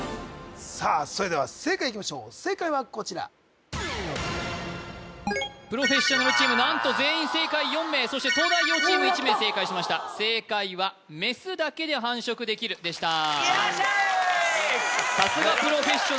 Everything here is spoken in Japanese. さあそれでは正解いきましょう正解はこちらプロフェッショナルチーム何と全員正解４名そして東大王チーム１名正解しました正解はメスだけで繁殖できるでしたよっしゃー！